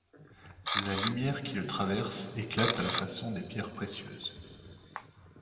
La lumière qui le traverse éclate à la façon des pierres précieuses.